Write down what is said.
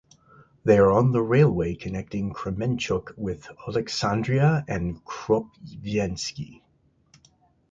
They are on the railway connecting Kremenchuk with Oleksandriia and Kropyvnytskyi.